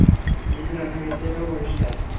এদের অনেকের চেয়ে ও পরিষ্কার।